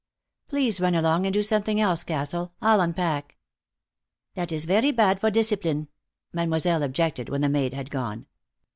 Please run along and do something else, Castle. I'll unpack." "That is very bad for discipline," Mademoiselle objected when the maid had gone.